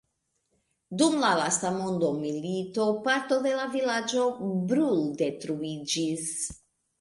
Dum la lasta mondomilito parto de la vilaĝo bruldetruiĝis.